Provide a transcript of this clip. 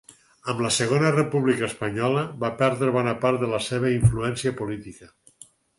Amb la Segona República Espanyola va perdre bona part de la seva influència política.